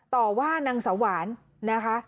เป่าว่านางสวรรค์